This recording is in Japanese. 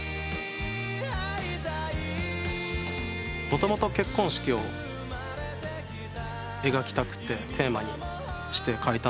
もともと結婚式を描きたくてテーマにして書いたんですけど。